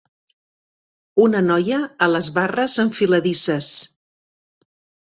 Una noia a les barres enfiladisses.